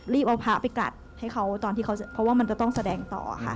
เอาพระไปกัดให้เขาตอนที่เขาเพราะว่ามันจะต้องแสดงต่อค่ะ